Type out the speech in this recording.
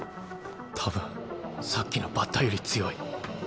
たぶんさっきのバッタより強い。